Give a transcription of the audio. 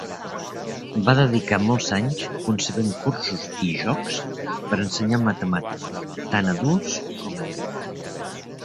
Va dedicar molts anys concebent cursos i jocs per ensenyar matemàtiques tant a adults com a nens.